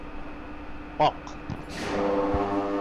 Аҡ